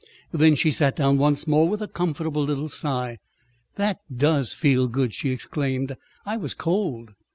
Then she sat down once more, with a comfortable little sigh. "That does feel good!" she exclaimed. "I was cold."